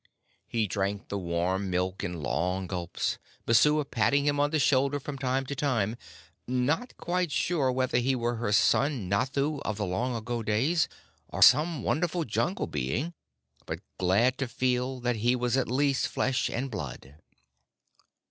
He drank the warm milk in long gulps, Messua patting him on the shoulder from time to time, not quite sure whether he were her son Nathoo of the long ago days, or some wonderful Jungle being, but glad to feel that he was at least flesh and blood.